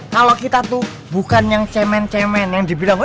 kalau kita tuh bukan yang cemen cemen yang dibilang